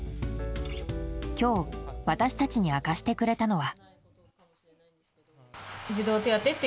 今日、私たちに明かしてくれたのは。